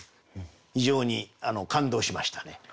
非常に感動しましたね。